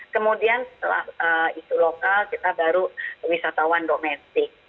kemudian setelah itu lokal kita baru wisatawan domestik